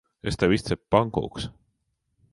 Es tev izcepu pankūkas.